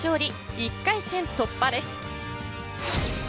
１回戦突破です。